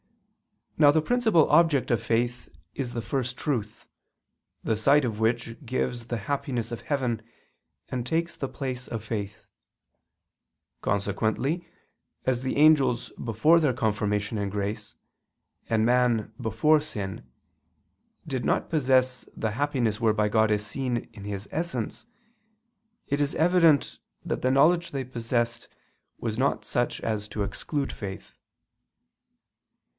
Now the principal object of faith is the First Truth, the sight of which gives the happiness of heaven and takes the place of faith. Consequently, as the angels before their confirmation in grace, and man before sin, did not possess the happiness whereby God is seen in His Essence, it is evident that the knowledge they possessed was not such as to exclude faith.